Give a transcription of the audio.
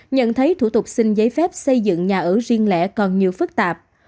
nhận thấy thủ tục xin giấy phép xây dựng nhà ở riêng lẻ còn nhiều phức tạp